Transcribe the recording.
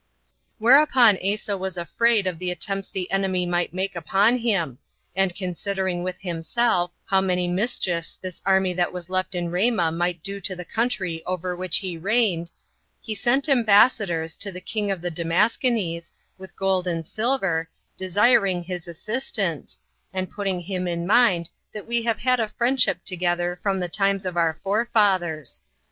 4. Whereupon Asa was afraid of the attempts the enemy might make upon him; and considering with himself how many mischiefs this army that was left in Ramah might do to the country over which he reigned, he sent ambassadors to the king of the Damascenes, with gold and silver, desiring his assistance, and putting him in mind that we have had a friendship together from the times of our forefathers.